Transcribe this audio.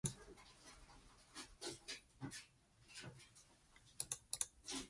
Gnomes are generally considered harmless but mischievous and may bite with sharp teeth.